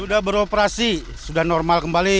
sudah beroperasi sudah normal kembali